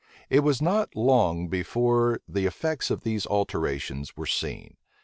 It was not long before the effects of these alterations were seen.